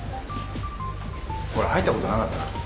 ほら入ったことなかったから。